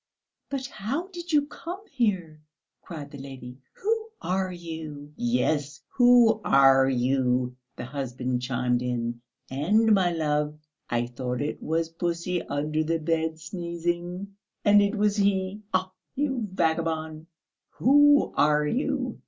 "But how did you come here?" cried the lady. "Who are you?" "Yes, who are you?" the husband chimed in. "And, my love, I thought it was pussy under the bed sneezing. And it was he. Ah, you vagabond! Who are you?